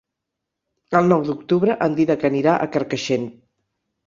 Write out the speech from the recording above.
El nou d'octubre en Dídac anirà a Carcaixent.